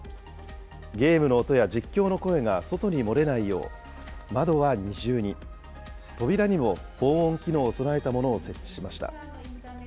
ゲームの音や実況の声が外に漏れないよう、窓は二重に、扉にも防音機能を備えたものを設置しました。